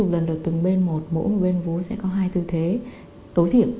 mỗi một bên vú sẽ có hai tư thế tối thiệp